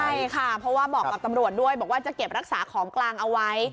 ใช่ค่ะเพราะว่าบอกกับตำรวจด้วยบอกว่าจะเก็บรักษาของกลางเอาไว้